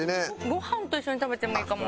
ご飯と一緒に食べてもいいかも。